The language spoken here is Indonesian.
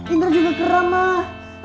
indra juga keram mah